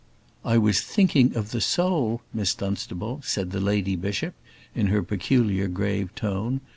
"I was thinking of the soul, Miss Dunstable," said the lady bishop, in her peculiar, grave tone.